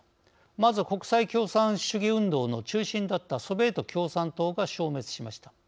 まずは国際共産主義運動の中心だったソビエト共産党が消滅しました。